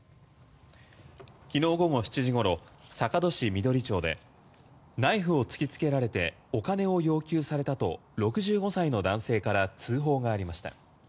きのう午後７時ごろ坂戸市緑町でナイフを突きつけられてお金を要求されたと６５歳の男性から通報がありました。